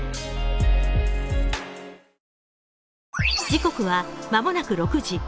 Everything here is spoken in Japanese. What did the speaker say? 時刻は間もなく６時。